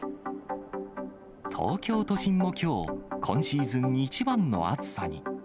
東京都心もきょう、今シーズン一番の暑さに。